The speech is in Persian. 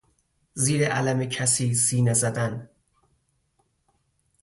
زیر علم کسی سینه زدن